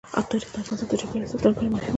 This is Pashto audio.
تاریخ د افغانستان د چاپیریال ساتنې لپاره مهم دي.